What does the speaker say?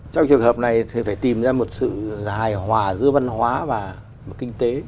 trong trường hợp này thì phải tìm ra một sự hài hòa giữa văn hóa và kinh tế